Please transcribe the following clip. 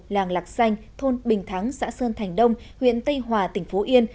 làng lạc xanh thôn bình thắng xã sơn thành đông huyện tây hòa tỉnh phú yên